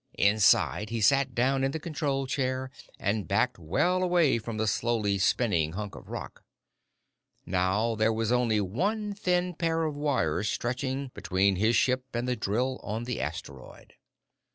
Inside, he sat down in the control chair and backed well away from the slowly spinning hunk of rock. Now there was only one thin pair of wires stretching between his ship and the drill on the asteroid.